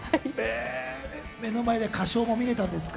目の前で歌唱も見れたんですか？